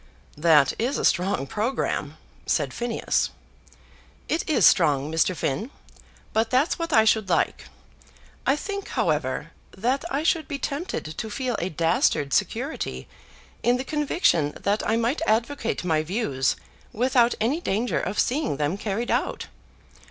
"That is a strong programme," said Phineas. "It is strong, Mr. Finn, but that's what I should like. I think, however, that I should be tempted to feel a dastard security in the conviction that I might advocate my views without any danger of seeing them carried out.